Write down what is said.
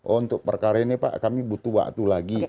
oh untuk perkara ini pak kami butuh waktu lagi